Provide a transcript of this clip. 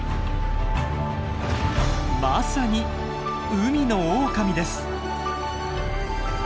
まさに海のオオカミです！